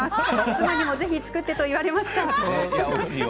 妻にもぜひ作ってと言われました。